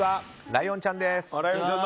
ライオンちゃんです。